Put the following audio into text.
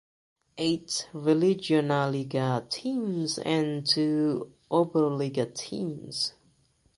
Eight Regionalliga teams and two Oberliga teams.